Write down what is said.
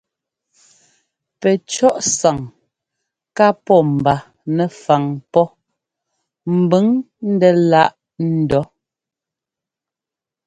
Pɛcɔ́ꞌsáŋ ká pɔ́ mba nɛfaŋ pɔ́ mbʉŋ ndɛ́ láꞌ ńdɔ́.